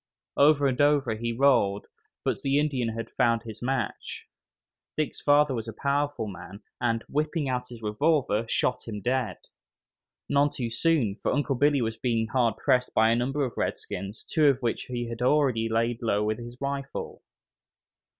Over and over he rolled, but the Indian had found his match. Dick's father was a powerful man, and, whipping out his revolver, shot him dead. None too soon, for Uncle Billy was being hard pressed by a number of redskins, two of whom he had already laid low with his rifle.